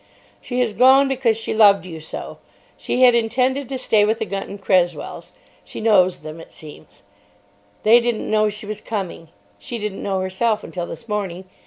"She has gone because she loved you so. She had intended to stay with the Gunton Cresswells. She knows them, it seems. They didn't know she was coming. She didn't know herself until this morning.